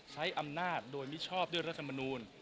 ใช้อำนาจโดยมิชอบด้วยรัฐมนูล